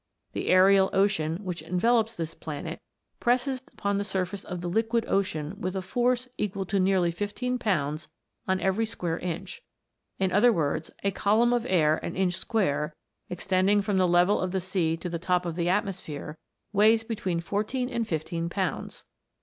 The aerial ocean which envelopes this planet presses upon the surface of the liquid ocean with a force equal to nearly fifteen pounds on every square inch ; in other words, a column of air an inch square, extending from the level of the sea to the top of the atmosphere, weighs between fourteen and fifteen pounds.